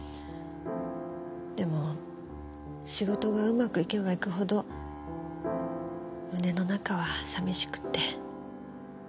でも仕事がうまくいけばいくほど胸の中は寂しくって。